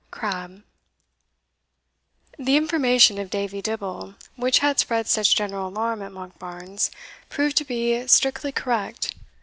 Crabbe. The information of Davie Dibble, which had spread such general alarm at Monkbarns, proved to be strictly correct.